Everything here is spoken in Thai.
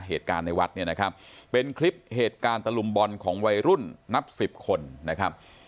เหตุการณ์ในวัดเนี่ยนะครับเป็นคลิปเหตุการณ์ตะลุมบอลของวัยรุ่นนับสิบคนนะครับ